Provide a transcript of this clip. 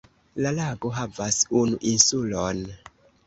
La lago havas unu insulon.